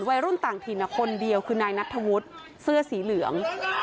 วัยรุ่นต่างถิ่นคนเดียวคือนายนัทธวุฒิเสื้อสีเหลือง